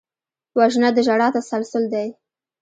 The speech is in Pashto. وژنه د ژړا تسلسل دی